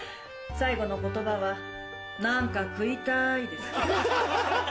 最期の言葉は「何か食いたい」でしたよ。